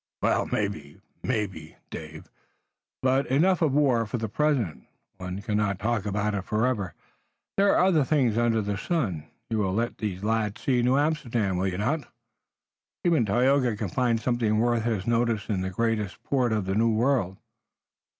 "Well, maybe! maybe! David, but enough of war for the present. One cannot talk about it forever. There are other things under the sun. You will let these lads see New Amsterdam, will you not? Even Tayoga can find something worth his notice in the greatest port of the New World."